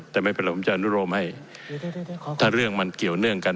แต่ไม่เป็นไรผมจะอนุโรมให้ถ้าเรื่องมันเกี่ยวเนื่องกัน